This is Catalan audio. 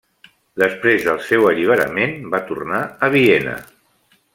Després del seu alliberament va tornar a Viena.